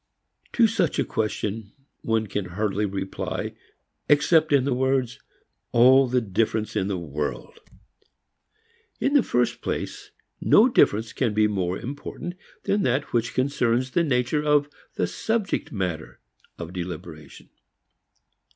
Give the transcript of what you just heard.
To such a question one can hardly reply except in the words "All the difference in the world." In the first place, no difference can be more important than that which concerns the nature of the subject matter of deliberation.